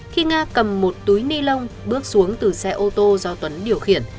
khi nga cầm một túi ni lông bước xuống từ xe ô tô do tuấn điều khiển